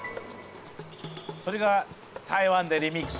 それが台湾でリミックス。